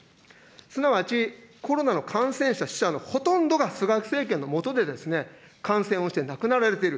すなわちコロナの感染者、死者のほとんどが菅政権の下で感染をして、亡くなられている。